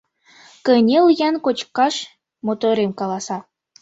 — Кынел-ян кочкаш, — моторем каласа.